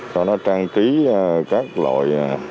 cho nó trang trí các loại